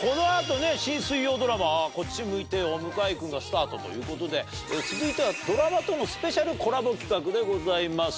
この後ね新水曜ドラマ『こっち向いてよ向井くん』がスタートということで続いてはドラマとのスペシャルコラボ企画でございます。